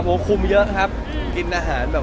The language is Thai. อ๋อน้องมีหลายคน